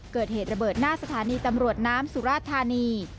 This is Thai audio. เกิดเหตุระเบิดหน้าสถานีตำรวจน้ำสุราธานี